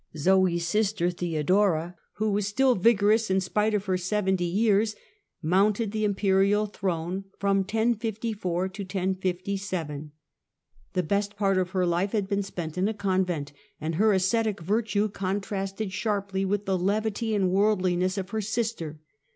Zoe's sister Theodora, who was Theodora, still vigorous in spite of her seventy years, mounted the imperial throne. The best part of her life had been spent in a convent, and her ascetic virtue contrasted strangely with the levity and worldliness of her sister.